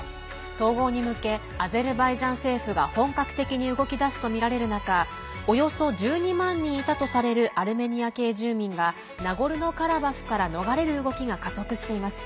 統合に向けアゼルバイジャン政府が本格的に動き出すとみられる中およそ１２万人いたとされるアルメニア系住民がナゴルノカラバフから逃れる動きが加速しています。